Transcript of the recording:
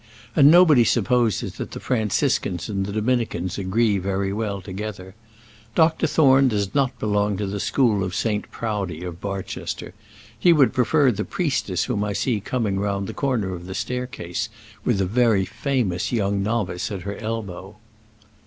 and nobody supposes that the Franciscans and the Dominicans agree very well together. Dr. Thorne does not belong to the school of St. Proudie, of Barchester; he would prefer the priestess whom I see coming round the corner of the staircase, with a very famous young novice at her elbow."